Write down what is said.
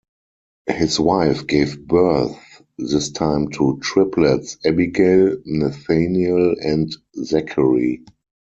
His wife gave birth this time to triplets Abigail, Nathaniel and Zachary.